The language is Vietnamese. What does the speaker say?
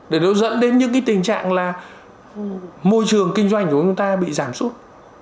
để nó dẫn đến những tình trạng là môi trường kinh doanh của chúng ta bị giảm sốt